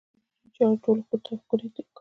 د دوی چارې ټولو ته ښکاره دي.